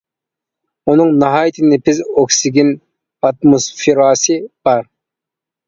ئۇنىڭ ناھايىتى نېپىز ئوكسىگېن ئاتموسفېراسى بار.